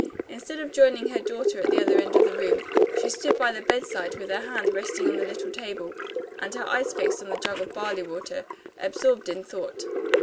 Instead of joining her daughter at the other end of the room, she stood by the bedside with her hand resting on the little table, and her eyes fixed on the jug of barley water, absorbed in thought.